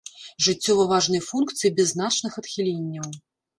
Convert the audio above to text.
Жыццёва важныя функцыі без значных адхіленняў.